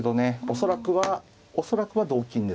恐らくは恐らくは同金ですね。